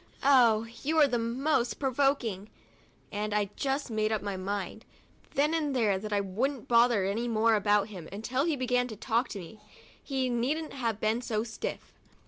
Oh, you are the most provoking —" and I just made up my mind, then and there, that I wouldn't bother any more about him until he began to talk to me. He needn't have been so stiff.